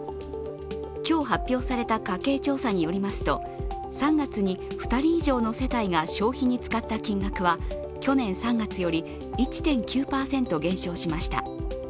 今日発表された家計調査によりますと、３月に２人以上の世帯が消費に使った金額は去年３月より１．９％減少しました。